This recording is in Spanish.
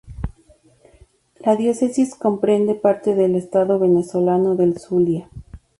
La diócesis comprende parte del estado venezolano del Zulia.